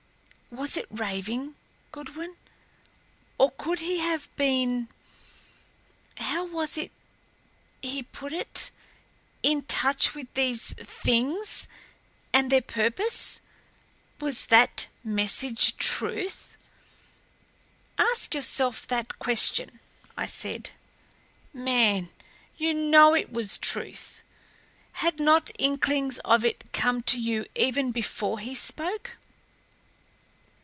"Was it raving, Goodwin? Or could he have been how was it he put it in touch with these Things and their purpose? Was that message truth?" "Ask yourself that question," I said. "Man you know it was truth. Had not inklings of it come to you even before he spoke?